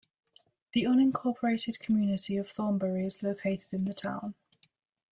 The unincorporated community of Thornberry is located in the town.